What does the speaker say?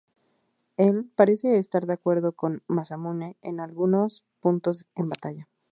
Él parece estar de acuerdo con Masamune en algunos puntos en batalla.